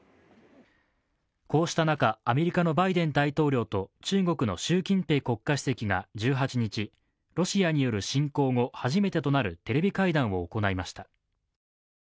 こうした中、アメリカのバイデン大統領と中国の習近平国家主席が１８日、ロシアによる侵攻後初めてとなるテレビ会談を行いました。